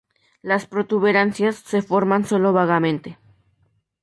Las protuberancias se forman sólo vagamente.